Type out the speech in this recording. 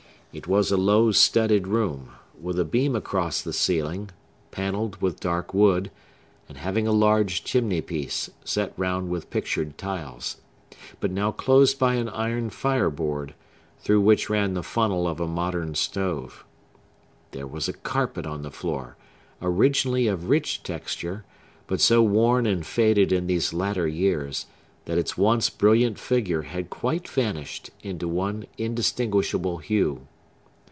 It was a low studded room, with a beam across the ceiling, panelled with dark wood, and having a large chimney piece, set round with pictured tiles, but now closed by an iron fire board, through which ran the funnel of a modern stove. There was a carpet on the floor, originally of rich texture, but so worn and faded in these latter years that its once brilliant figure had quite vanished into one indistinguishable hue.